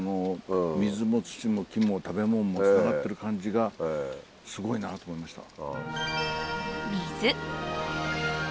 水も土も木も食べ物もつながってる感じがすごいなと思いました。